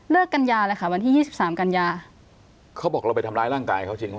กัญญาเลยค่ะวันที่ยี่สิบสามกันยาเขาบอกเราไปทำร้ายร่างกายเขาจริง